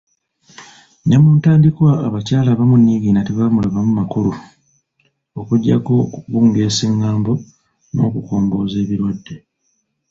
Ne mu ntandikwa abakyala abamu Niigiina tebaamulabamu makulu, okuggyako okubungeesa eng’ambo n’okukomboozaayo ebirwadde.